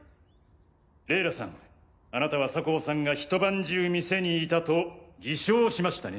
レイラさんあなたは酒匂さんがひと晩中店に居たと偽証しましたね。